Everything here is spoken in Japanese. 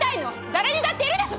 誰にだっているでしょ